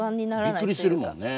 びっくりするもんね。